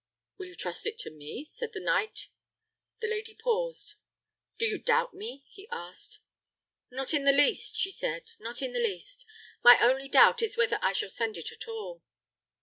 "Will you trust it to me?" said the knight. The lady paused. "Do you doubt me?" he asked. "Not in the least," she said; "not in the least. My only doubt is whether I shall send it at all."